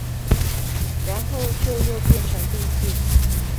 然後就又變成第四台